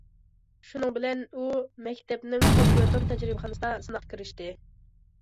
شۇنىڭ بىلەن ئۇ مەكتەپنىڭ كومپيۇتېر تەجرىبىخانىسىدا سىناققا كىرىشتى.